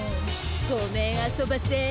ごめんあそばせ。